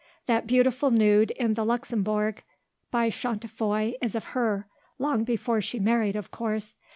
That beautiful nude in the Luxembourg by Chantefoy is of her long before she married, of course.